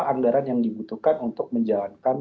anggaran yang dibutuhkan untuk menjalankan